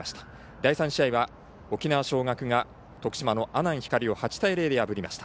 第３試合は沖縄尚学が徳島の阿南光を８対０で破りました。